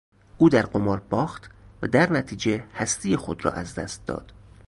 او در قمار باخت و درنتیجه هستی خود را از دست داد.